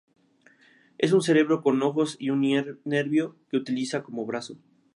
Es un cerebro con ojos y un nervio que utiliza como brazo.